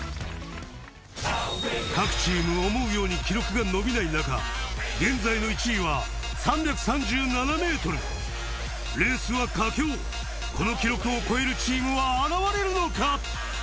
各チーム思うように記録が伸びない中現在の１位は３３７ｍレースは佳境この記録を超えるチームは現れるのか？